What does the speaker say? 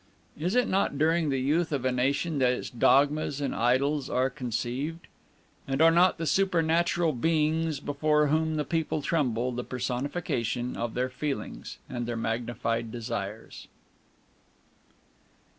Is it not during the youth of a nation that its dogmas and idols are conceived? And are not the supernatural beings before whom the people tremble the personification of their feelings and their magnified desires?